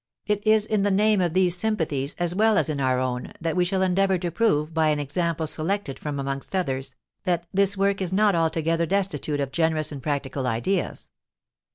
It is in the name of these sympathies, as well as in our own, that we shall endeavour to prove, by an example selected from amongst others, that this work is not altogether destitute of generous and practical ideas.